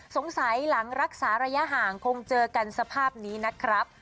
หลังรักษาระยะห่างคงเจอกันสภาพนี้นะครับ